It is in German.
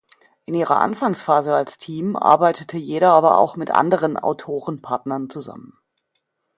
In ihrer Anfangsphase als Team arbeitete jeder aber auch mit anderen Autoren-Partnern zusammen.